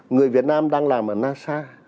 người việt nam đang làm ở nasa